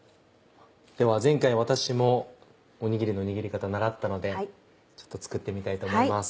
では前回私もおにぎりの握り方習ったので作ってみたいと思います。